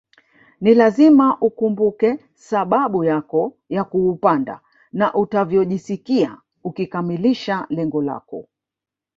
Ni lazima ukumbuke sababu yako ya kuupanda na utakavyojisikia ukikamilisha lengo lako